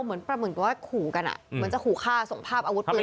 เหมือนกับว่าขู่กันอ่ะเหมือนจะขู่ฆ่าส่งภาพอาวุธปืน